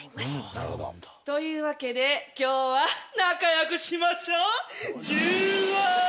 なるほど。というわけで今日は仲よくしましょう！